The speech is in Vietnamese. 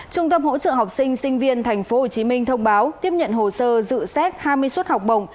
trung tâm hỗ trợ học sinh sinh viên tp hcm thông báo tiếp nhận hồ sơ dự xét hai mươi suất học bổng